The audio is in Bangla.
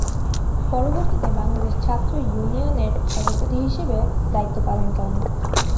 পরবর্তীতে বাংলাদেশ ছাত্র ইউনিয়নের সভাপতি হিসেবেও দায়িত্ব পালন করেন।